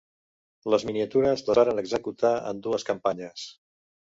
Les miniatures les varen executar en dues campanyes.